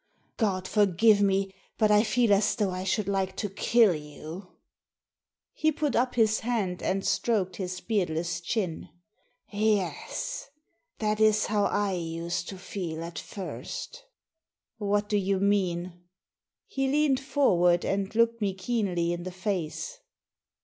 God forgive me, but I feel as though I should like to kill you." Digitized by VjOOQIC A PACK OF CARDS jj He put up his hand and stroked his beardless chin. " Yes, that is how I used to feel at first" " What do you mean ?'* He leaned forward and looked me keenly in the face.